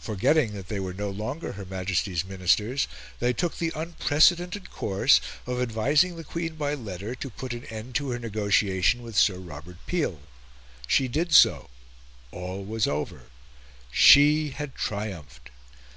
Forgetting that they were no longer her Majesty's Ministers, they took the unprecedented course of advising the Queen by letter to put an end to her negotiation with Sir Robert Peel. She did so; all was over; she had triumphed.